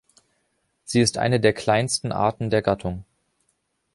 Sie ist eine der kleinsten Arten der Gattung.